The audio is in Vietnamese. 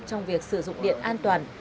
trong việc sử dụng điện an toàn